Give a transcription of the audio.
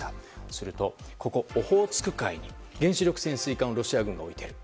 すると、オホーツク海に原子力潜水艦をロシア軍が置いている。